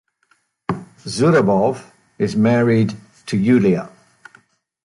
Zurabov is married to Yulia.